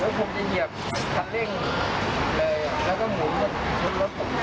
แล้วผมจะเหยียบขัดเร่งเลยแล้วก็หมุนรถผม